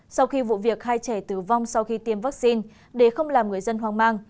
sau khi vụ việc hai trẻ tử vong sau khi tiêm vaccine để không làm người dân hoang mang